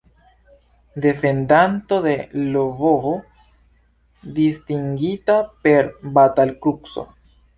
Defendanto de Lvovo, distingita per Batal-Kruco.